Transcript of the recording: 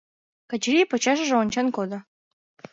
Качырий почешыже ончен кодо.